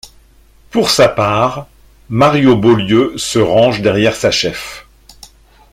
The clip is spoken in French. Pour sa part, Mario Beaulieu se range derrière sa cheffe.